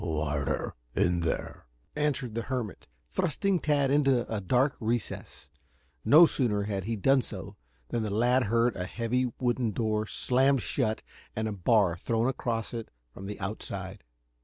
"Water in there," answered the hermit, thrusting Tad into a dark recess. No sooner had he done so than the lad heard a heavy wooden door slammed shut and a bar thrown across it from the outside.